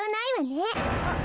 あっ。